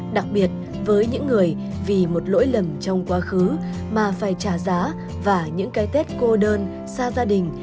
đặc biệt với những người vì một lỗi lầm trong quá khứ mà phải trả giá và những cái tết cô đơn xa gia đình